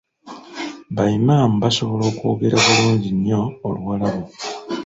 Ba Imam basobola okwogera bulungi nnyo Oluwalabu.